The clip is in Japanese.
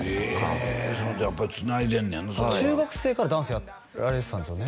へえじゃやっぱつないでんねんな中学生からダンスやられてたんですよね？